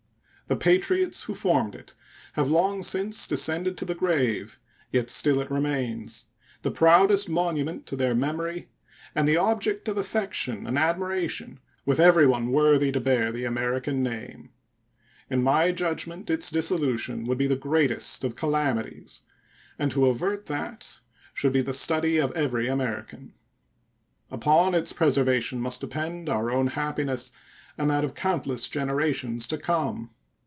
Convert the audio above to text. The patriots who formed it have long since descended to the grave; yet still it remains, the proudest monument to their memory and the object of affection and admiration with everyone worthy to bear the American name. In my judgment its dissolution would be the greatest of calamities, and to avert that should be the study of every American. Upon its preservation must depend our own happiness and that of countless generations to come.